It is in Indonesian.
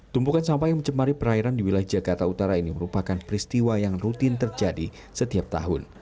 tumpukan sampah yang mencemari perairan di wilayah jakarta utara ini merupakan peristiwa yang rutin terjadi setiap tahun